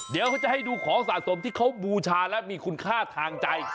เดี๋ยวเขาจะให้ดูของสะสมที่เขาบูชาและมีคุณค่าทางใจ